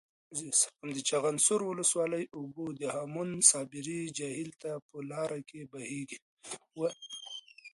د چخانسور ولسوالۍ اوبه د هامون صابري جهیل ته په لاره کې بهیږي.